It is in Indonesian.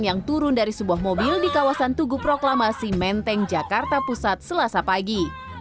yang turun dari sebuah mobil di kawasan tugu proklamasi menteng jakarta pusat selasa pagi